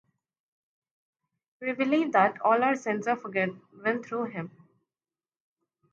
We believe that all our sins are forgiven through Him.